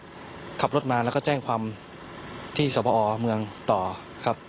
แต่เราก็ไม่ได้อันนั้นเราก็ขับรถมาแล้วก็แจ้งความที่สวบออกเมืองต่อครับ